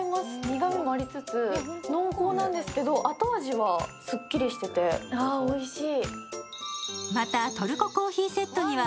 苦みがありつつ濃厚なんですけど後味はすっきりしてておいしい。